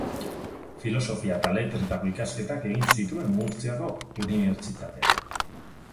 Filosofia eta Letretako ikasketak egin zituen Murtziako Unibertsitatean.